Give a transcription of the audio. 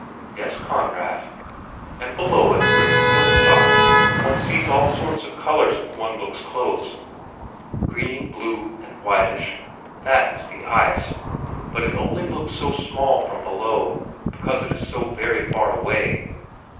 "Yes, Conrad." "And below it where the snow stopped one sees all sorts of colors if one looks close green, blue, and whitish that is the ice; but it only looks so small from below, because it is so very far away.